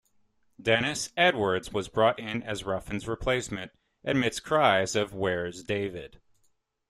Dennis Edwards was brought in as Ruffin's replacement, amidst cries of Where's David?